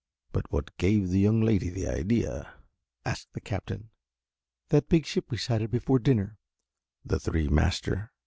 "But what gave the young lady that idea?" asked the Captain. "That big ship we sighted before dinner." "The three master?"